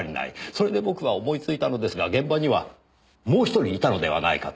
それで僕は思いついたのですが現場にはもう１人いたのではないかと。